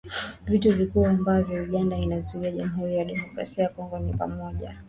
Vitu vikuu ambavyo Uganda inaiuzia Jamuhuri ya Demokrasia ya Kongo ni pamoja